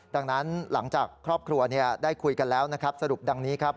ดังนั้นหลังจากครอบครัวได้คุยกันแล้วนะครับสรุปดังนี้ครับ